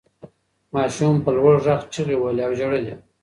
ماشوم په لوړ غږ چیغې وهلې او ژړل یې.